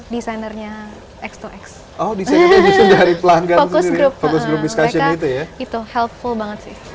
desainernya x dua x oh disini dari pelanggan fokus grup discussion itu ya itu helpful banget sih